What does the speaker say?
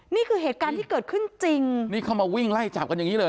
นี่คือเหตุการณ์ที่เกิดขึ้นจริงนี่เข้ามาวิ่งไล่จับกันอย่างนี้เลย